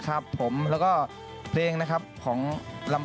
เพราะว่าใจแอบในเจ้า